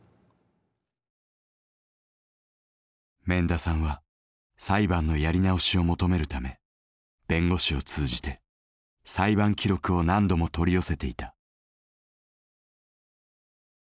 免田さんは裁判のやり直しを求めるため弁護士を通じて裁判記録を何度も取り寄せていた。